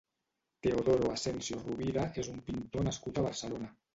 Teodoro Asensio Rovira és un pintor nascut a Barcelona.